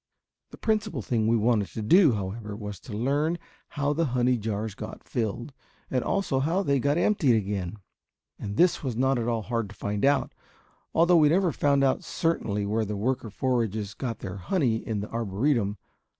The principal thing we wanted to do, however, was to learn how the honey jars got filled and also how they got emptied again! And this was not at all hard to find out, although we never found out certainly where the worker foragers got their honey in the Arboretum.